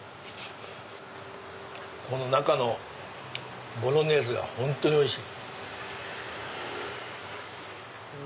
この中のボロネーゼが本当においしい。